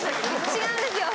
違うんですよ！